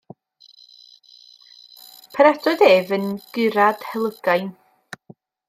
Penodwyd ef yn gurad Helygain.